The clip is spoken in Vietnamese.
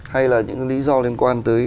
hay là những lý do liên quan tới